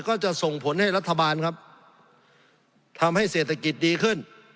ก็จะส่งผลให้รัฐบาลครับทำให้เศรษฐกิจดีขึ้น